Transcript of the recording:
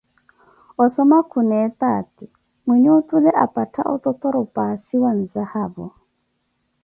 Osoma khuna etaati, mwinyi otule apattha ototthoro paasi wa nzahavo.